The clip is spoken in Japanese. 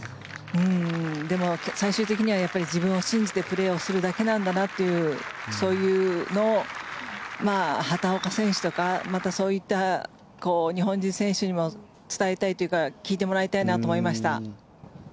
でも、最終的には自分を信じてプレーするだけなんだなというそういうのを畑岡選手とかそういった日本人選手にも伝えたいというか聞いてもらいたいと思いました。